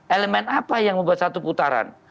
elemen apa yang membuat satu putaran